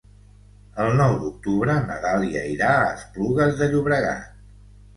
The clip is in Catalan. El nou d'octubre na Dàlia irà a Esplugues de Llobregat.